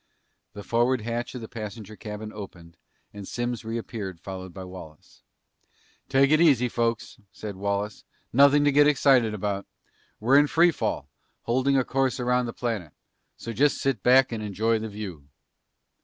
The forward hatch of the passenger cabin opened and Simms reappeared followed by Wallace. "Take it easy, folks," said Wallace, "nothing to get excited about. We're in free fall, holding a course around the planet. So just sit back and enjoy the view!"